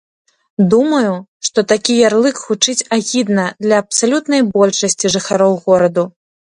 Думаю, што такі ярлык гучыць агідна для абсалютнай большасці жыхароў гораду.